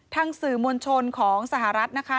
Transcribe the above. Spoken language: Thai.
ทางสื่อมวลชนของสหรัฐนะคะ